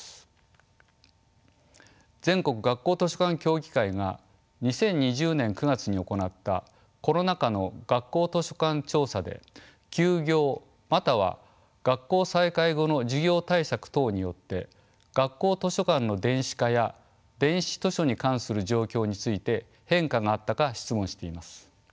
全国学校図書館協議会が２０２０年９月に行ったコロナ禍の学校図書館調査で休業または学校再開後の授業対策等によって学校図書館の電子化や電子図書に関する状況について変化があったか質問しています。